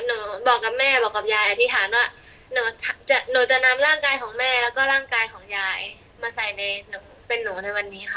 หนูบอกกับแม่บอกกับยายอธิษฐานว่าหนูจะนำร่างกายของแม่แล้วก็ร่างกายของยายมาใส่ในหนูเป็นหนูในวันนี้ค่ะ